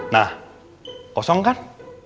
nah kosong kan